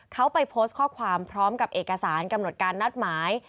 เขาไปโพสต์ข้อความพร้อมกับเอกสารกำหนดการนัดหมาย